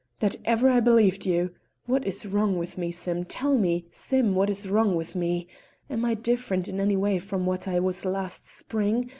That ever I believed you! What is wrong with me, Sim? tell me, Sim! What is wrong with me? Am I different in any way from what I was last spring?